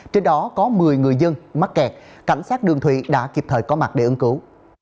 trên đó có một mươi người dân mắc kẹt cảnh sát đường thủy đã kịp thời có mặt để ứng cứu